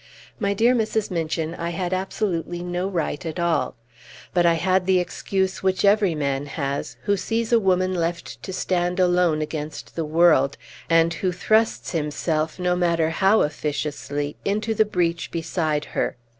My dear Mrs. Minchin, I had absolutely no right at all; but I had the excuse which every man has who sees a woman left to stand alone against the world, and who thrusts himself, no matter how officiously, into the breach beside her.